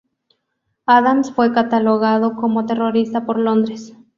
Adams fue catalogado como terrorista por Londres.